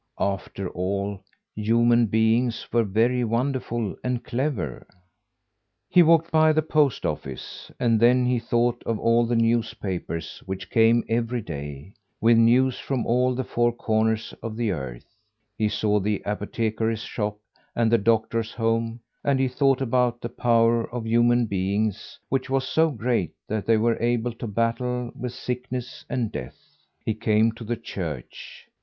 After all, human beings were very wonderful and clever. He walked by the post office, and then he thought of all the newspapers which came every day, with news from all the four corners of the earth. He saw the apothecary's shop and the doctor's home, and he thought about the power of human beings, which was so great that they were able to battle with sickness and death. He came to the church.